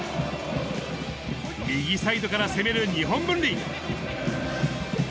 右サイドから攻める日本文理。